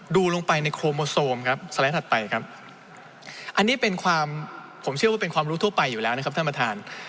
ดูลงไปในโครโมโซมครับสไลด์ถัดไปครับอันนี้เป็นความผมเชื่อว่าเป็นความรู้ทั่วไปอยู่แล้วนะครับท่านประธาน